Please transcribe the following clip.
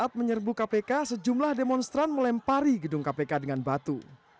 saat menyerbu kpk sejumlah demonstran melempari gedung kpk dengan batu